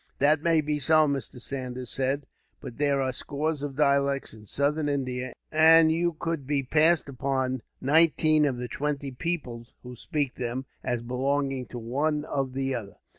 "That may be so," Mr. Saunders said; "but there are a score of dialects in Southern India, and you could be passed upon nineteen of the twenty peoples who speak them, as belonging to one of the other."